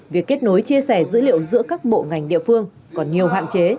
việc kết nối chia sẻ dữ liệu giữa các bộ ngành địa phương còn nhiều hạn chế